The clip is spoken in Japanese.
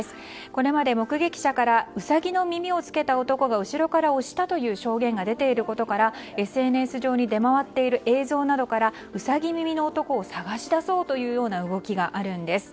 これまで目撃者からウサギの耳を着けた男が後ろから押したという証言が出ていることからＳＮＳ上に出回っている映像などからウサギ耳の男を捜し出そうという動きがあるんです。